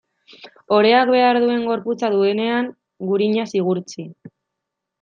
Oreak behar duen gorputza duenean, gurinaz igurtzi.